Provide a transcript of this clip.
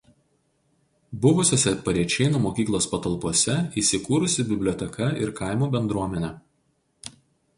Buvusiose Parėčėnų mokyklos patalpose įsikūrusi biblioteka ir kaimo bendruomenė.